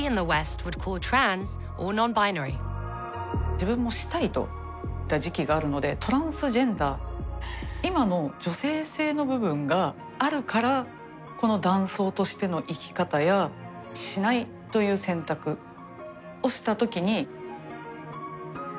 自分もしたいと思った時期があるのでトランスジェンダー今の女性性の部分があるからこの男装としての生き方や「しない」という選択をした時にそうですね